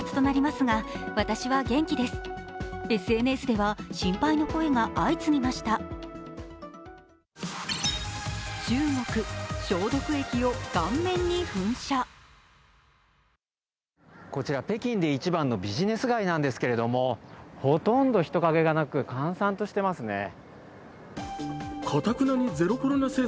ＳＮＳでは心配の声が相次ぎましたこちら北京で一番のビジネス街なんですけれども、ほとんど人影がなく閑散としています。